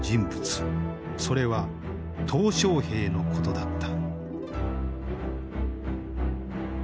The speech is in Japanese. それは小平のことだった。